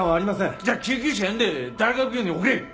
じゃあ救急車を呼んで大学病院に送れ！